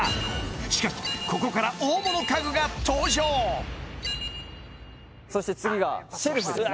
しかしここから大物家具が登場そして次がシェルフですね